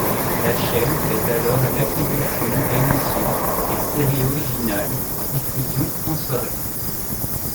La chaîne fait alors l'acquisition d'émissions et séries originales pour diffusion en soirée.